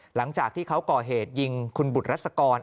หลังจากที่เขาก่อเหตุยิงคุณบุตรรัศกร